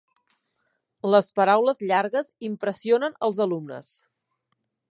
Les paraules llargues impressionen els alumnes.